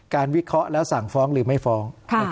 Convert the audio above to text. วิเคราะห์แล้วสั่งฟ้องหรือไม่ฟ้อง